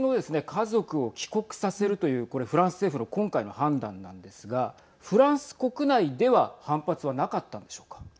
家族を帰国させるというこれフランス政府の今回の判断なんですがフランス国内では反発はなかったんでしょうか。